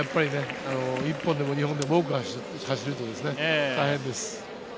１本でも２本でも多く走ると大変です。